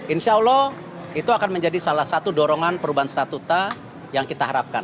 insya allah itu akan menjadi salah satu dorongan perubahan statuta yang kita harapkan